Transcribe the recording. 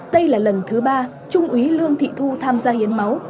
đây là lần thứ ba trung úy lương thị thu tham gia hiến máu